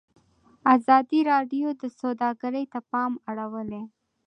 ازادي راډیو د سوداګري ته پام اړولی.